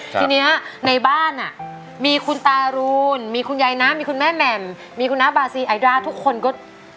ทีนี้ในบ้านมีคุณตารูนมีคุณยายน้ามีคุณแม่แหม่มมีคุณน้าบาซีไอด้าทุกคนก็